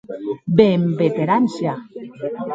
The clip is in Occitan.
Be èm veterans ja!.